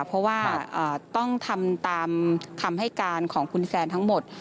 เพราะว่าต้องทำตามคำให้การของคุณแซนทั้งหมด